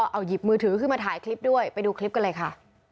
เอาหยิบมือถือขึ้นมาถ่ายคลิปด้วยไปดูคลิปกันเลยค่ะ